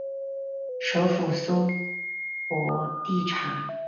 首府苏博蒂察。